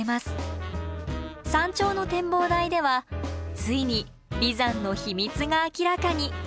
山頂の展望台ではついに眉山の秘密が明らかに。